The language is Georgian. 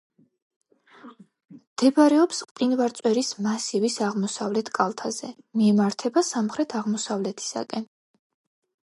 მდებარეობს მყინვარწვერის მასივის აღმოსავლეთ კალთაზე, მიემართება სამხრეთ აღმოსავლეთისაკენ.